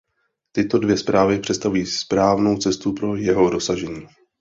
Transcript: Tyto dvě zprávy představují správnou cestu pro jeho dosažení.